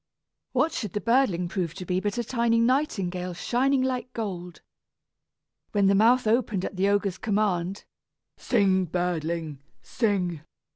What should the birdling prove to be but a tiny nightingale shining like gold! When its mouth opened at the ogre's command, "Sing, birdling, sing!"